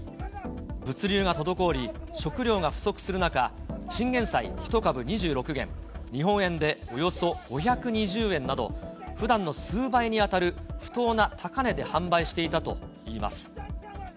物流が滞り、食料が不足する中、チンゲン菜１株２６元、日本円でおよそ５２０円など、ふだんの数倍に当たる不当な高値で販売していたといいます。